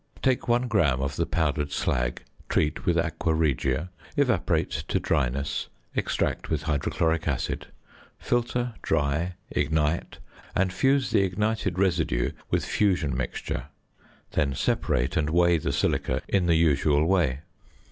Take 1 gram of the powdered slag, treat with aqua regia, evaporate to dryness, extract with hydrochloric acid, filter, dry, ignite, and fuse the ignited residue with "fusion mixture," then separate and weigh the silica in the usual way.